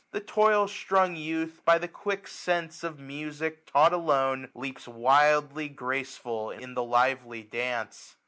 The toil strung youth By the quick sense of music taught alone^ Leaps wildly graceful in the lively dance.